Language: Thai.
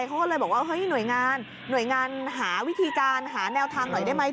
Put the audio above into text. เขาก็เลยบอกว่าเฮ้ยหน่วยงานหน่วยงานหาวิธีการหาแนวทางหน่อยได้ไหม